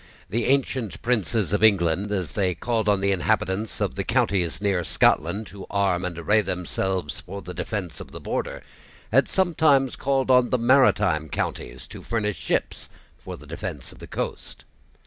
The ancient princes of England, as they called on the inhabitants of the counties near Scotland to arm and array themselves for the defence of the border, had sometimes called on the maritime counties to furnish ships for the defence of the coast.